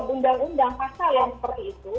undang undang pasal yang seperti itu